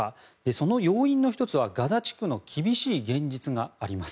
その要因の１つはガザ地区の厳しい現実があります。